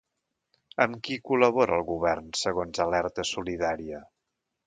Amb qui col·labora el govern segons Alerta Solidària?